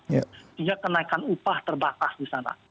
sehingga kenaikan upah terbatas di sana